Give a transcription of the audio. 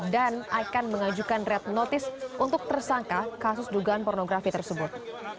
dan akan mengajukan red notice untuk tersangka kasus dugaan pornografi tersebut